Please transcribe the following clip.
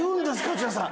内田さん。